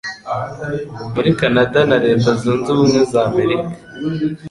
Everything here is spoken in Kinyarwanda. Muri Canada na Leta Zunze Ubumwe za Amerika